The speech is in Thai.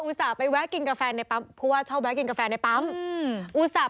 อุสาไปแว้กินกาแฟในปั๊บ